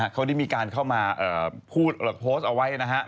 เขาได้มีการเข้ามาพูดโพสต์เอาไว้นะฮะ